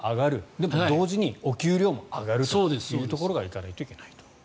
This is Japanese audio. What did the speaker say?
でも同時にお給料も上がるというところにいかないといけないと。